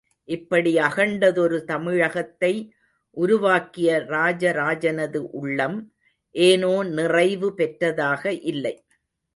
இப்படி அகண்டதொரு தமிழகத்தை உருவாக்கிய ராஜ ராஜனது உள்ளம் ஏனோ நிறைவு பெற்றதாக இல்லை.